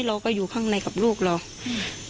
เราก็อยู่ข้างในกับลูกเราอืม